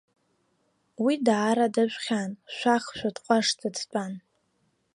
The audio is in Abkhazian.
Уи даара дажәхьан, шәахшәа дҟәашӡа дтәан.